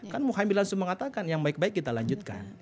kan muhaymin langsung mengatakan yang baik baik kita lanjutkan